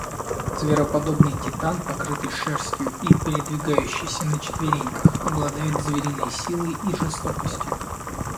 Звероподобный титан, покрытый шерстью и передвигающийся на четвереньках, обладает звериной силой и жестокостью.